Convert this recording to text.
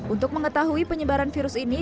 untuk mengetahui penyebaran virus ini